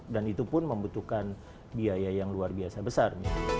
dan itu pun membutuhkan biaya yang luar biasa besar